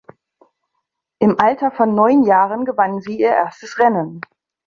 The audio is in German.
Im Alter von neun Jahren gewann sie ihr erstes Rennen.